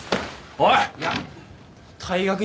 おい。